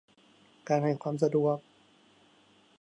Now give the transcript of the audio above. การให้ความสะดวก